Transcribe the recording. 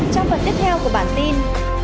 trong phần tiếp theo của bản tin